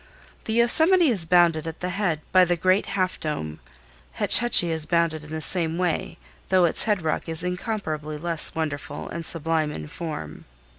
The Yosemite is bounded at the head by the great Half Dome. Hetch Hetchy is bounded in the same way though its head rock is incomparably less wonderful and sublime in form.